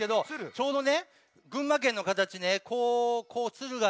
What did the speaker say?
ちょうどね群馬県のかたちねこうツルがね